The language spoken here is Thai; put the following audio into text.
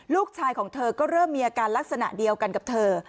ลูกชายของเธอก็เริ่มมีอาการลักษณะเดียวกันกับเธอ